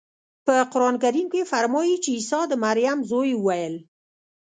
په قرانکریم کې فرمایي چې عیسی د مریم زوی وویل.